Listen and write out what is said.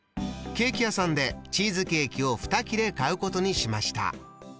ケーキ屋さんでチーズケーキを２切れ買うことにしました。